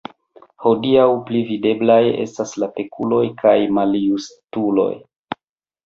Hodiaŭ, pli videblaj estas la pekuloj kaj maljustuloj.